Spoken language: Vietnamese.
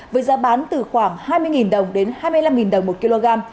với giá bán từ khoảng hai mươi đồng đến hai mươi năm đồng một kg